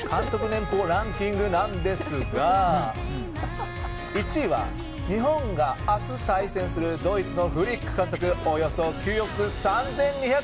年俸ランキングなんですが１位は日本が明日対戦するドイツのフリック監督およそ９億３２００万円。